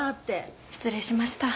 失礼しました。